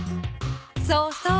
そうそう。